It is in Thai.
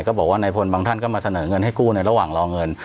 ก็บอกว่านายพลบางท่านก็มาเสนอเงินให้กู้ในระหว่างรอเงิน